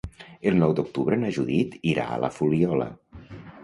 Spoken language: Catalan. El nou d'octubre na Judit irà a la Fuliola.